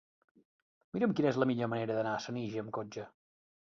Mira'm quina és la millor manera d'anar a Senija amb cotxe.